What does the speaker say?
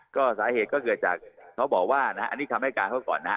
ก็สาเหตุก็เกิดจากเขาบอกว่านะฮะอันนี้คำให้การเขาก่อนนะฮะ